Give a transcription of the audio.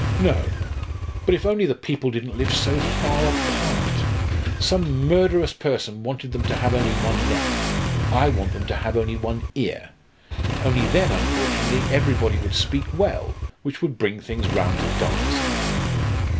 "No; but if only the People didn't live so far apart. Some murderous person wanted them to have only one neck. I want them to have only one ear. Only then unfortunately everybody would speak well which would bring things round to dulness again.